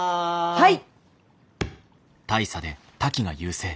はい！